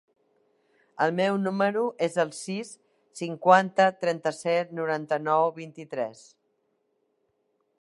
El meu número es el sis, cinquanta, trenta-set, noranta-nou, vint-i-tres.